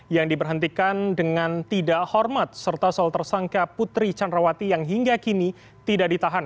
yang diberhentikan dengan tidak hormat serta soal tersangka putri candrawati yang hingga kini tidak ditahan